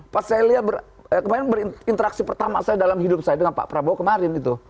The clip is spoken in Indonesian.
pas saya lihat kemarin berinteraksi pertama saya dalam hidup saya dengan pak prabowo kemarin itu